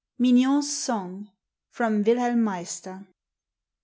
MIGNON'S SONG. FROM "WILHELM MEISTER."